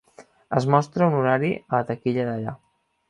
Es mostra un horari a la taquilla d'allà.